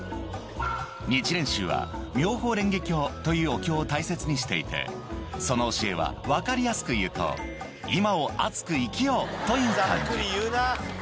日蓮宗は妙法蓮華経というお経を大切にしていて、その教えは分かりやすく言うと、今をあつく生きようという感じ。